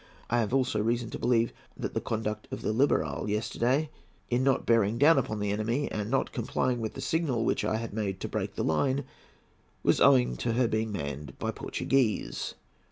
I have also reason to believe that the conduct of the Liberal yesterday in not bearing down upon the enemy, and not complying with the signal which I had made to break the line, was owing to her being manned by Portuguese.